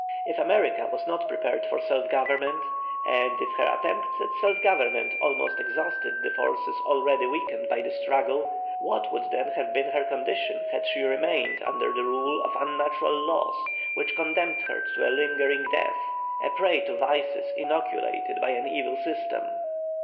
If America was not prepared for self government, and if her attempts at self government almost exhausted the forces already weakened by the struggle, what would then have been her condition had she remained under the rule of unnatural laws which condemned her to a lingering death, a prey to vices inoculated by an evil system?